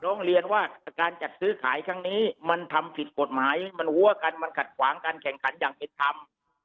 ร้องเรียนว่าการจัดซื้อขายครั้งนี้มันทำผิดกฎหมายมันหัวกันมันขัดขวางการแข่งขันอย่างเป็นธรรม